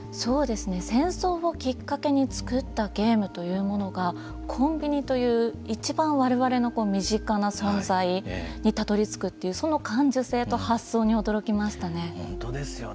戦争をきっかけに作ったゲームというものがコンビニといういちばん我々の身近な存在にたどりつくというその感受性と発想に驚きましたね。